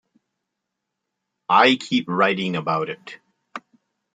I keep writing about it.